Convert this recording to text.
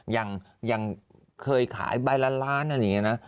ยังเคยขายบ้าล้านอย่างนี้นะ